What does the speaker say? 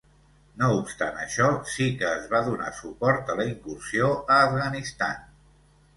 No obstant això, sí que es va donar suport a la incursió a Afganistan.